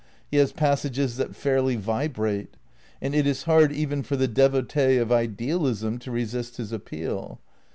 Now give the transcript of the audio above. He has pas sages that fairly vibrate. And it is hard even for the devotee of idealism to resist his appeal.